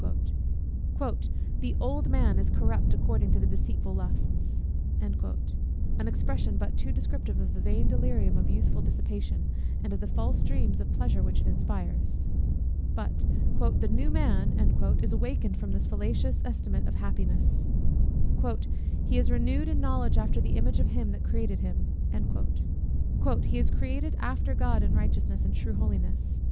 "The old man is corrupt according to the deceitful lusts;" an expression but too descriptive of the vain delirium of youthful dissipation, and of the false dreams of pleasure which it inspires; but "the new man" is awakened from this fallacious estimate of happiness; "he is renewed in knowledge after the image of him that created him" "He is created after God in righteousness and true holiness."